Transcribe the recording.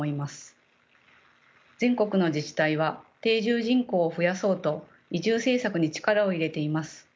全国の自治体は定住人口を増やそうと移住政策に力を入れています。